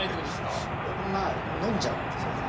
いやまあ飲んじゃうんですよね。